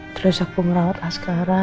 terus aku ngerawat askara